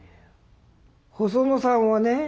細野さんはね